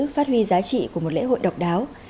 phát huy giá trị của một lễ hội độc đáo